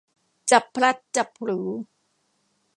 จับพลัดจับผลู